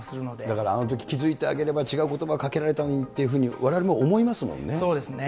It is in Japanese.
だからあのとき気付いてあげれば、違うことばかけられたのにっていうふうに、われわれも思いそうですね。